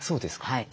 はい。